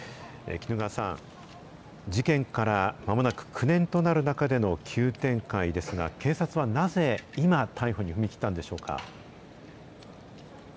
絹川さん、事件からまもなく９年となる中での急展開ですが、警察はなぜ、今、逮捕に踏み切ったんでしょうか。